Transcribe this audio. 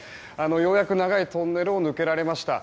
ようやく長いトンネルを抜けられました。